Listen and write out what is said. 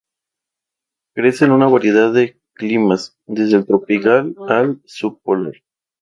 Crece en una gran variedad de climas; desde el tropical al subpolar.